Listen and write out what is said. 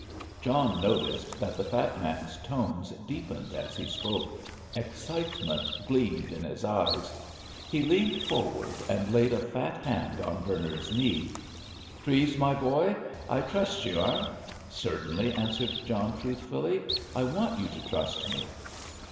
John noticed that the fat man's tones deepened as he spoke; excitement gleamed in his eyes. He leaned forward and laid a fat hand on Bernard's knee. "Treves, my boy, I trust you—eh?" "Certainly!" answered John, truthfully. "I want you to trust me."